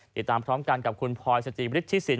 ติดตามพร้อมกันกับคุณพลอยสจิบริษฐิสิน